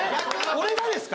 俺がですか？